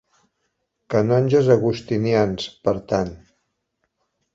Canonges augustinians, per tant.